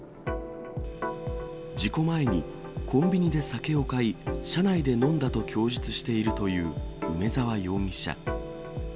事故前にコンビニで酒を買い、車内で飲んだと供述しているという梅沢容疑者。